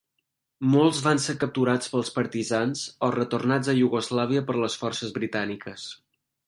Molts van ser capturats pels partisans o retornats a Iugoslàvia per les forces britàniques.